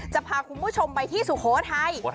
จะพาคุณผู้ชมไปที่สุโขทัย